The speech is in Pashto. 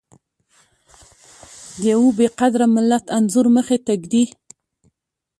د يوه بې قدره ملت انځور مخې ته ږدي.